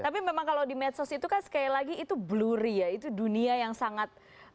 tapi memang kalau di medsos itu kan sekali lagi itu blury ya itu dunia yang sangat